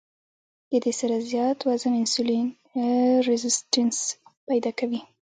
د دې سره زيات وزن انسولين ريزسټنس پېدا کوي